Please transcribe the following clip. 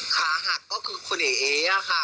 ค่ะก็คือคนเอ๋อะค่ะ